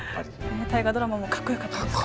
「大河ドラマ」もかっこよかったですからね。